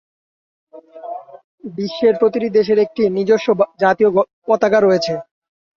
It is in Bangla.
বিশ্বের প্রতিটি দেশের একটি নিজস্ব জাতীয় পতাকা রয়েছে।